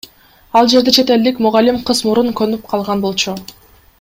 Ал жерде чет элдик мугалим кыз мурун конуп калган болчу.